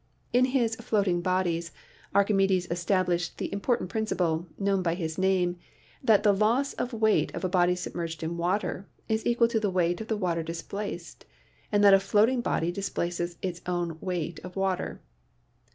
In his "Floating Bodies" Archimedes established the important principle, known by his name, that the loss of weight of a body submerged in water is equal to the weight of the water displaced and that a floating body displaces its own weight of water.